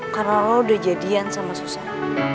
karena lo udah jadian sama susah